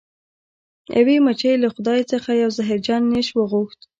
یوې مچۍ له خدای څخه یو زهرجن نیش وغوښت.